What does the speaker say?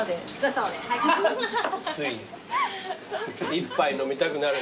一杯飲みたくなる。